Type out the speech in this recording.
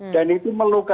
dan itu melukakan